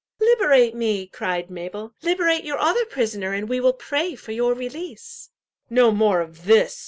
"Liberate me!" cried Mabel; "liberate your other prisoner and we will pray for your release." "No more of this!"